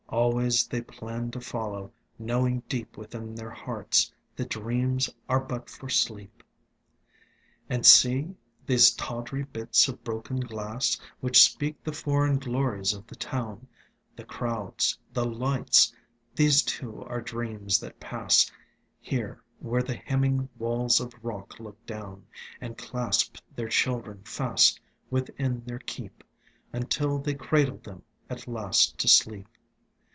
Always they planned to follow, knowing deep Within their hearts that dreams are but for sleep. DuBose Heyward And see these tawdry bits of broken glass Which speak the foreign glories of the town — The crowds, the lights; these too are dreams that pass Here where the hemming wails of rock look down, And clasp their children fast within their keep Until they cradle them at last to sleep.